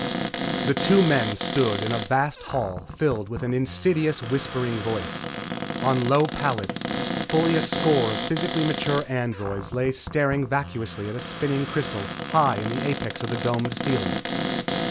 The two men stood in a vast hall filled with an insidious, whispering voice. On low pallets, fully a score of physically mature androids lay staring vacuously at a spinning crystal high in the apex of the domed ceiling.